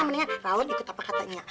mendingan rawon ikut apa katanya